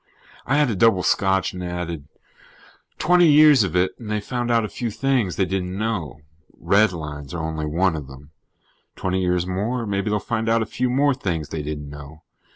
I had a double scotch and added: "Twenty years of it and they found out a few things they didn't know. Redlines are only one of them. Twenty years more, maybe they'll find out a few more things they didn't know.